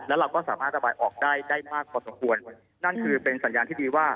แล้วเราก็สามารถระบายออกได้ได้มากพอสมควรนั่นคือเป็นสัญญาณที่ดีว่า